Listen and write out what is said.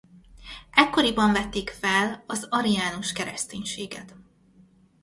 Ekkoriban vették fel az ariánus kereszténységet.